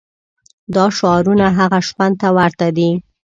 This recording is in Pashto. دا شعارونه هغه شخوند ته ورته دي.